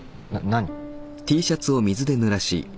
何？